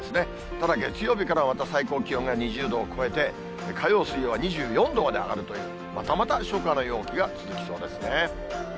ただ、月曜日からまた最高気温が２０度を超えて火曜、水曜は２４度まで上がるという、またまた初夏の陽気が続きそうですね。